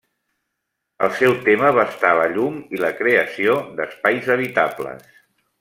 El seu tema va estar la llum i la creació d'espais habitables.